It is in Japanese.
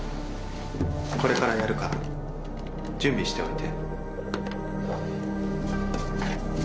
これからやるから準備しておいて。